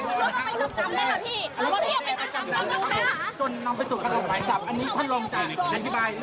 น้ำจำได้หรอพี่หรือว่าพี่เอ๋มไหมครับจนนำไปจุดกันลงไปจับ